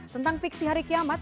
tentang fiksi hari kiamat